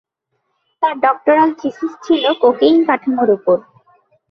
তার doctoral thesis ছিল cocaine কাঠামোর উপর।